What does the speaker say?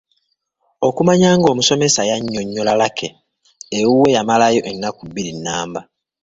Okumanya ng’omusomesa yannyonnyola Lucky, ewuwe yamalayo ennaku bbiri nnamba.